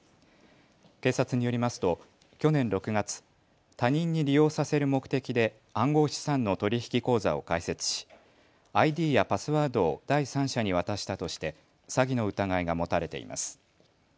警察によりますと去年６月、他人に利用させる目的で暗号資産の取引口座を開設しＩＤやパスワードを第三者に渡したとして詐欺の疑いが持たれています。